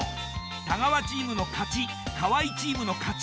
太川チームの勝ち河合チームの勝ち